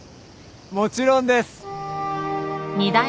もちろんです！